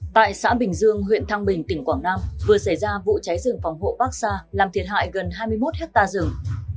tại xã bình dương huyện thăng bình tỉnh quảng nam vừa xảy ra vụ cháy rừng phòng hộ bắc sa làm thiệt hại gần hai mươi một hectare rừng